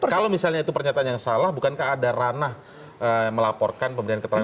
kalau misalnya itu pernyataan yang salah bukankah ada ranah melaporkan pemberian keterangan